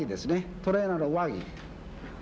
トレーナーの上着。